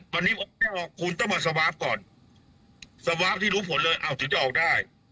วันนี้คุณต้องมาสวาฟก่อนสวาฟที่รู้ผลเลยเอาถึงจะออกได้